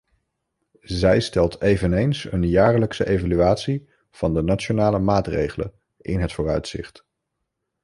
Zij stelt eveneens een jaarlijkse evaluatie van de nationale maatregelen in het vooruitzicht.